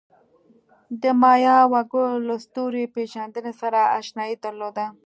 د مایا وګړو له ستوري پېژندنې سره آشنایي درلوده.